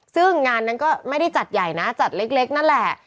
ซึ่งงานนั้นก็ไม่ได้จัดใหญ่นะจัดเล็กนั่นแหละ